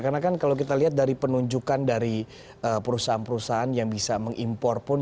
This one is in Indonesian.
karena kan kalau kita lihat dari penunjukan dari perusahaan perusahaan yang bisa mengimpor pun